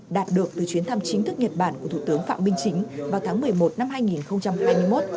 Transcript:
đạt được từ chuyến thăm chính thức nhật bản của thủ tướng phạm minh chính vào tháng một mươi một năm hai nghìn hai mươi một